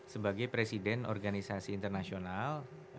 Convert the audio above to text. sebagai presiden organisasi internasional